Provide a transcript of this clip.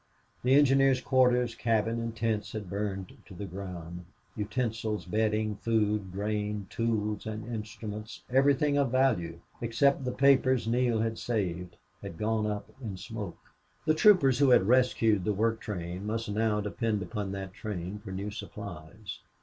The engineers' quarters, cabin, and tents had burned to the ground. Utensils, bedding, food, grain, tools, and instruments everything of value except the papers Neale had saved had gone up in smoke. The troopers who had rescued the work train must now depend upon that train for new supplies.